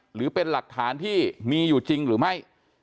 หรือเป็นหลักฐานที่มีอยู่จริงหรือไม่